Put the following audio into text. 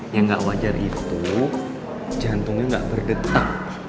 yang gak wajar itu jantungnya gak berdetek